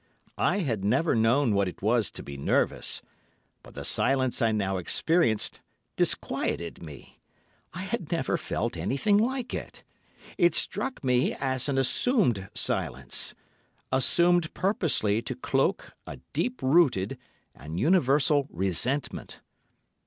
I had never known what it was to be nervous, but the silence I now experienced disquieted me. I had never felt anything like it. It struck me as an assumed silence—assumed purposely to cloak a deep rooted and universal resentment.